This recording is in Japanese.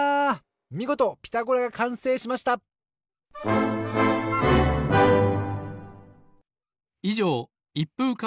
みごと「ピタゴラ」がかんせいしましたいじょうでした！